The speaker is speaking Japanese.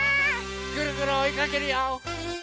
ぐるぐるおいかけるよ！